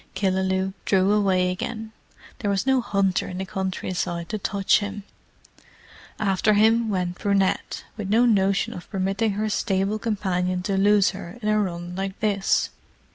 Killaloe drew away again: there was no hunter in the country side to touch him. After him went Brunette, with no notion of permitting her stable companion to lose her in a run like this.